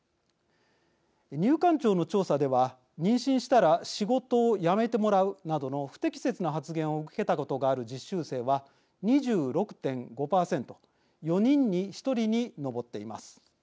入管庁の調査では妊娠したら仕事を辞めてもらうなどの不適切な発言を受けたことがある実習生は２６．５％４人に１人に上っています。